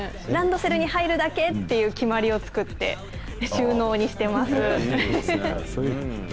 ランドセルに入るだけっていう決まりを作って、収納にしてます。